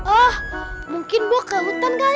oh mungkin bu ke hutan kan